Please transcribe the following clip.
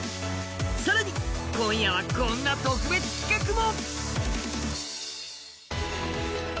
更に今夜はこんな特別企画も。